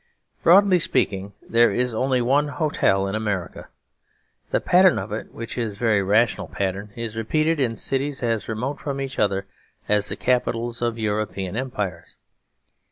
Broadly speaking, there is only one hotel in America. The pattern of it, which is a very rational pattern, is repeated in cities as remote from each other as the capitals of European empires.